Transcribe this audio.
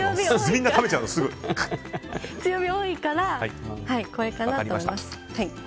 強火が多いからこれかなと思います。